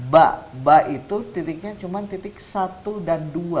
ba itu titiknya cuma titik satu dan dua